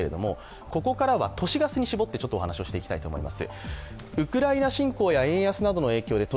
ここからは都市ガスに絞ってお話をしていきたいと思います。